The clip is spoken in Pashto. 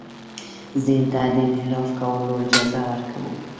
ذهن ته د انحراف کولو اجازه ورکوو.